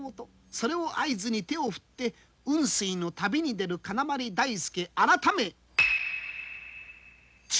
それを合図に手を振って雲水の旅に出る金碗大助改め丶大法師。